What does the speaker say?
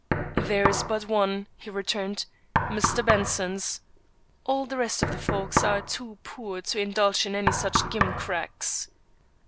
"There is but one," he returned, "Mr. Benson's. All the rest of the folks are too poor to indulge in any such gimcracks."